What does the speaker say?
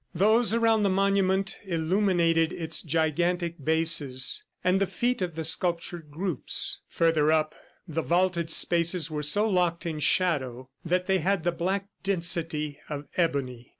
Those around the monument illuminated its gigantic bases and the feet of the sculptured groups. Further up, the vaulted spaces were so locked in shadow that they had the black density of ebony.